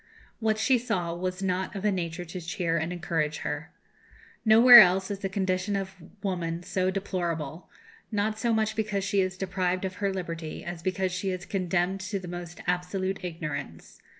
What she saw was not of a nature to cheer and encourage her. Nowhere else is the condition of woman so deplorable; not so much because she is deprived of her liberty as because she is condemned to the most absolute ignorance.